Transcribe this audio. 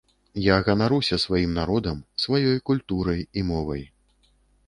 Я ганаруся сваім народам, сваёй культурай і мовай.